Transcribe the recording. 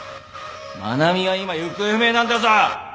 愛菜美は今行方不明なんだぞ！